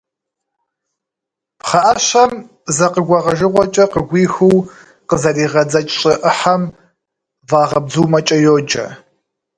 Пхъэӏэщэм зэ къыгуэгъэжыгъуэкӏэ къыгуихыу къызэригъэдзэкӏ щӏы ӏыхьэм вагъэбдзумэкӏэ йоджэ.